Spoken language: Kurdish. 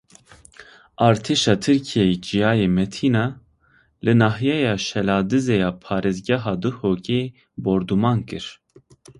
Artêşa Tirkiyeyê Çiyayê Metîna li nahyeya Şêladizê ya parêzgeha Duhokê bordûman kir.